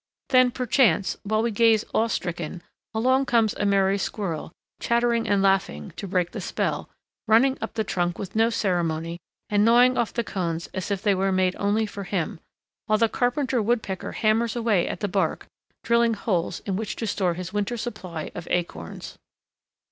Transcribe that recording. Then, perchance, while we gaze awe stricken, along comes a merry squirrel, chattering and laughing, to break the spell, running up the trunk with no ceremony, and gnawing off the cones as if they were made only for him; while the carpenter woodpecker hammers away at the bark, drilling holes in which to store his winter supply of acorns. [Illustration: YOUNG SUGAR PINE BEGINNING TO BEAR CONES.